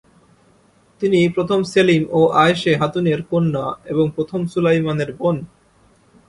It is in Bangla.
তিনি প্রথম সেলিম ও আয়শে হাতুনের কন্যা এবং প্রথম সুলাইমানের বোন।